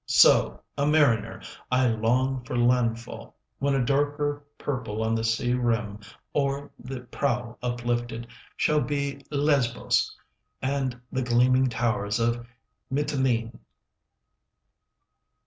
So, a mariner, I long for land fall,— When a darker purple on the sea rim, 10 O'er the prow uplifted, shall be Lesbos And the gleaming towers of Mitylene.